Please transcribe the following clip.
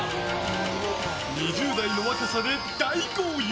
２０代の若さで大豪遊！